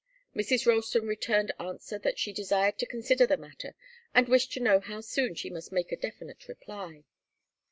Mrs. Ralston returned answer that she desired to consider the matter and wished to know how soon she must make a definite reply.